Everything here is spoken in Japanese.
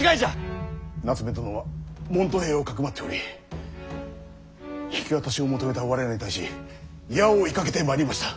夏目殿は門徒兵をかくまっており引き渡しを求めた我らに対し矢を射かけてまいりました。